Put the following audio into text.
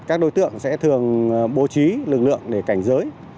các đối tượng sẽ thường bố trí lực lượng để cảnh giới